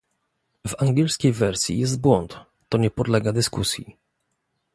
W angielskiej wersji jest błąd, to nie podlega dyskusji